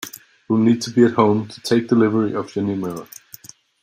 You will need to be at home to take delivery of your new mirror.